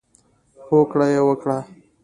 هوکړه یې وکړه.